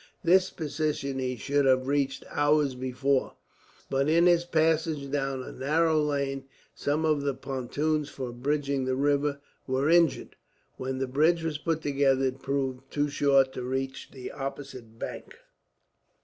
This position he should have reached hours before, but in his passage down a narrow lane, some of the pontoons for bridging the river were injured. When the bridge was put together, it proved too short to reach the opposite bank.